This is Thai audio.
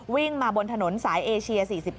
วิ่งมาบนถนนสายเอเชีย๔๗